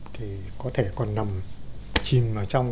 thì có thể còn nằm chìm vào trong